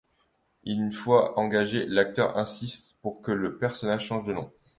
Une fois engagé, l'acteur insiste pour que le personnage change de nom.